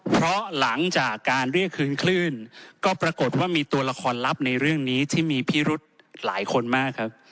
เพราะหลังจากการเรียกคืนคลื่นก็ปรากฏว่ามีตัวละครลับในเรื่องนี้ที่มีพิรุธหลายคนมากครับ